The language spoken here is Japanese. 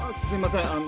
すいません。